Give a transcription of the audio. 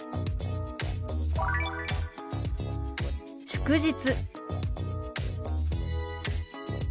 祝日。